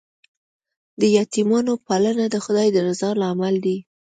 د یتیمانو پالنه د خدای د رضا لامل دی.